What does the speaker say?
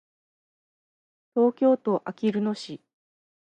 東京都あきる野市